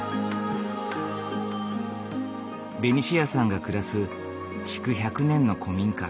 ベニシアさんが暮らす築１００年の古民家。